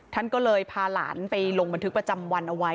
ท่านก็เลยพาหลานไปลงบันทึกประจำวันเอาไว้